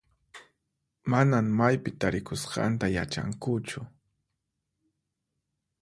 Manan maypi tarikusqanta yachankuchu.